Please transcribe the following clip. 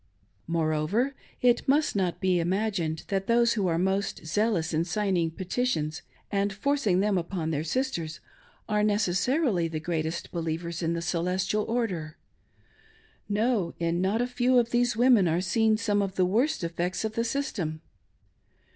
Moreover, it must not be imagined that those who are most zealous in signing petitions and forcing them upon their sisters, are necessarily the greatest believers in the " Celestial Order." No ; in not a few of these women are seen some of the worst effects of the system.